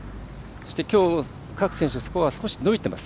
そして、きょう各選手スコア、少し伸びています。